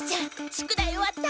宿題終わった？